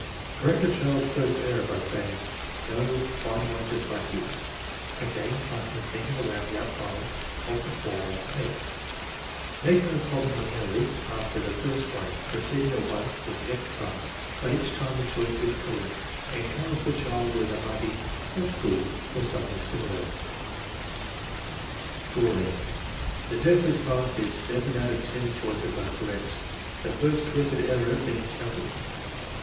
Correct the child's first error by saying: "No, find one just like this " (again passing the finger around the outline of the form at " X ") Make no comment on errors after the first one, proceeding at once with the next card, but TEST NO. IV, % 153 each time the choice is correct encourage the child with a hearty " That 's good," or something similar. Scoring. The test is passed if seven out of ten choices are correct, the first corrected error being counted.